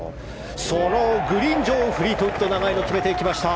グリーン上フリートウッド長いのを決めていきました。